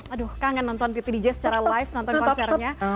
aduh kangen nonton titi dj secara live nonton konsernya